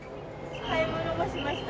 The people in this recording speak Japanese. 買い物もしました。